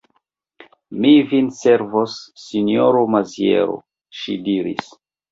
Mi vin servos, sinjoro Maziero, ŝi diris.